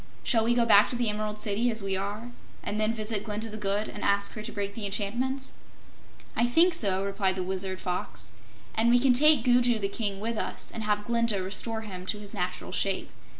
"Shall we go back to the Emerald City, as we are, and then visit Glinda the Good and ask her to break the enchantments?" "I think so," replied the Wizard Fox. "And we can take Gugu the King with us, and have Glinda restore him to his natural shape.